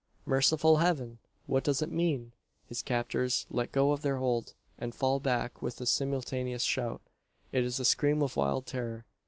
Merciful heaven! what does it mean? His captors let go their hold, and fall back with a simultaneous shout. It is a scream of wild terror!